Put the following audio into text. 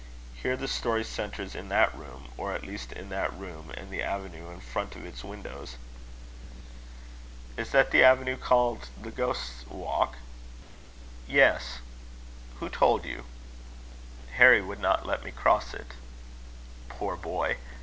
Here the story centres in that room or at least in that room and the avenue in front of its windows." "Is that the avenue called the Ghost's Walk?" "Yes. Who told you?" "Harry would not let me cross it." "Poor boy!